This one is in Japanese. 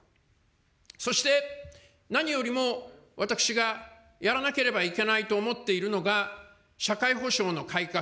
そして、何よりも私がやらなければいけないと思っているのが、社会保障の改革。